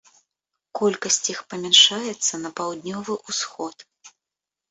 Колькасць іх памяншаецца на паўднёвы ўсход.